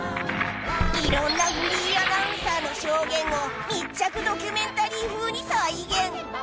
いろんなフリーアナウンサーの証言を密着ドキュメンタリー風に再現。